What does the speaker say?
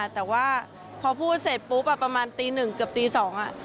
แต่ว่าพอพูดเสร็จปุ๊บประมาณตีหนึ่งเกือบตีสอง